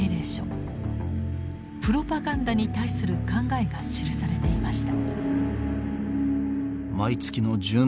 プロパガンダに対する考えが記されていました。